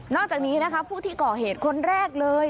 จากนี้นะคะผู้ที่ก่อเหตุคนแรกเลย